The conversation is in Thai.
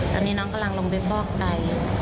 ตอนนี้น้องกำลังลงไปฟอกไก่